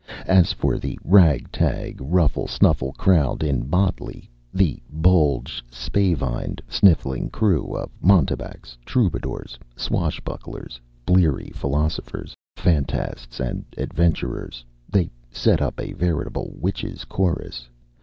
As for the rag tag, ruffle snuffle crowd in motley the bulged, spavined, sniffling crew of mountebanks, troubadours, swashbucklers, bleary philosophers, phantasts and adventurers they set up a veritable witches' chorus.